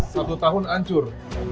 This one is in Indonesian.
satu tahun hancur